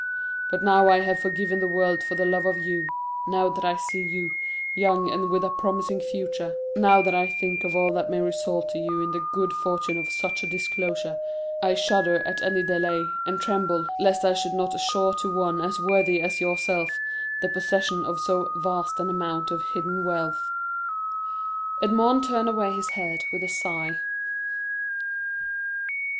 But now I have forgiven the world for the love of you; now that I see you, young and with a promising future,—now that I think of all that may result to you in the good fortune of such a disclosure, I shudder at any delay, and tremble lest I should not assure to one as worthy as yourself the possession of so vast an amount of hidden wealth." Edmond turned away his head with a sigh.